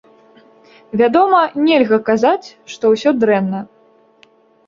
Вядома, нельга казаць, што ўсё дрэнна.